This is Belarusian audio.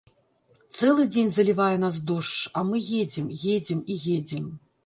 Цэлы дзень залівае нас дождж, а мы едзем, едзем і едзем.